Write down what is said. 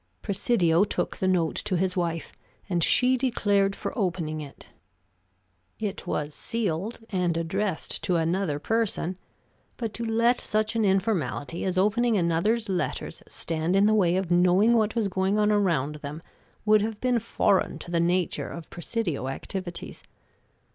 Presidio took the note to his wife, and she declared for opening it. It was sealed, and addressed to another person; but to let such an informality as opening another's letters stand in the way of knowing what was going on around them would have been foreign to the nature of Presidio activities.